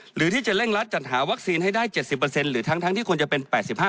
หรือที่จะเร่งรัดจัดหาวัคซีนให้ได้๗๐หรือทั้งที่ควรจะเป็น๘๕